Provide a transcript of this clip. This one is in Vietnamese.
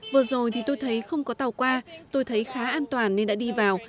vừa rồi thì tôi thấy không có tàu qua tôi thấy khá an toàn nên đã đi vào